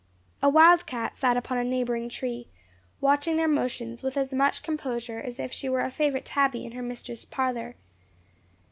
A wild cat sat upon a neighbouring tree, watching their motions with as much composure as if she were a favourite tabby in her mistress' parlour.